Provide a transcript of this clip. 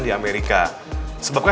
di amerika sebabnya